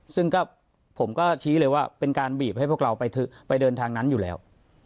ซึ่งก็ผมก็ชี้เลยว่าเป็นการบีบให้พวกเราไปเดินทางนั้นอยู่แล้ว